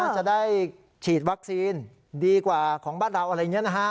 จะได้ฉีดวัคซีนดีกว่าของบ้านเราอะไรอย่างนี้นะฮะ